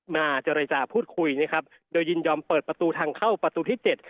มาเจรจาพูดคุยนะครับโดยยินยอมเปิดประตูทางเข้าประตูที่เจ็ด